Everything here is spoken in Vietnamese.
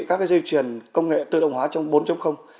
các dây chuyền công nghệ tư động hóa trong bốn